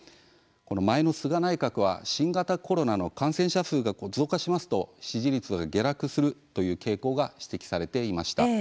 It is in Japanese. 前の菅内閣は新型コロナの感染者数が増加しますと、支持率が下落するという傾向が指摘されていました。